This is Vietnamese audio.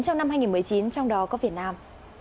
trong năm hai nghìn một mươi chín trong đó có việt nam